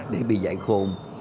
để bị dạy khôn